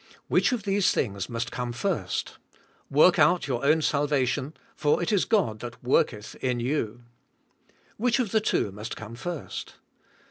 Which of these thing's must come first? ''^Work out your own salvation, for it is God that worketh in you. Which of the two must come first?